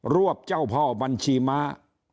วบเจ้าพ่อบัญชีม้า